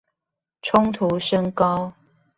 衝突升高